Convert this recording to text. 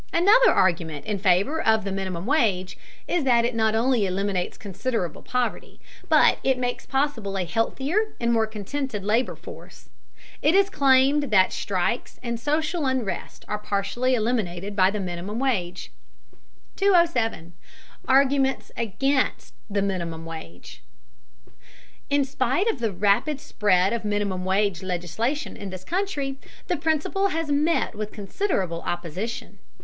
Another argument in favor of the minimum wage is that it not only eliminates considerable poverty, but it makes possible a healthier and more contented labor force. It is claimed that strikes and social unrest are partially eliminated by the minimum wage. 207. ARGUMENTS AGAINST THE MINIMUM WAGE. In spite of the rapid spread of minimum wage legislation in this country, the principle has met with considerable opposition.